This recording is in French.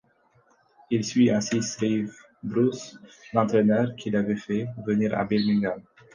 Il suit ainsi Steve Bruce, l'entraîneur qui l'avait fait venir à Birmingham.